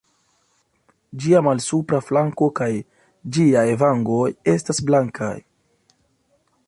Ĝia malsupra flanko kaj ĝiaj vangoj estas blankaj.